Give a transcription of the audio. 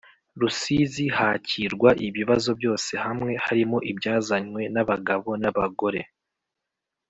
Rusizi hakirwa ibibazo byose hamwe, harimo ibyazanywe n abagabo na abagore